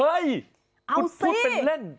เฮ้ยพูดเป็นเล่น